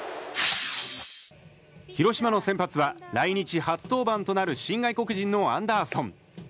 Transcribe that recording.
広島の先発は来日初登板となる新外国人のアンダーソン。